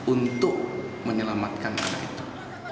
untuk menyelamatkan anak itu